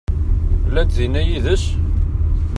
Llant dinna yid-s?